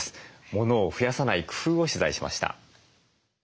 モノを増やさない工夫を取材しました。